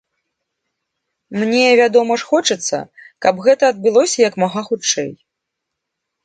Мне, вядома ж, хочацца, каб гэта адбылося як мага хутчэй.